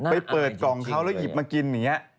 ไปเปิดกล่องเขาแล้วหยิบมากินอย่างนี้